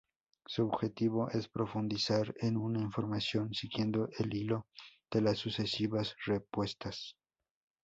Su objetivo es profundizar en una información siguiendo el hilo de las sucesivas repuestas.